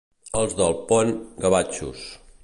Els del Pont, gavatxos.